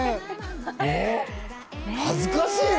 恥ずかしいね。